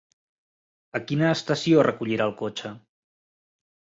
A quina estació recollirà el cotxe?